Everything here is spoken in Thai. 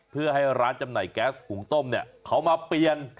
เพื่อให้ร้านจำหน่ายแก๊สหุงต้มเนี่ยเขามาเปลี่ยน